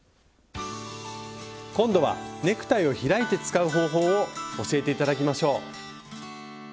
今度はネクタイを開いて使う方法を教えて頂きましょう。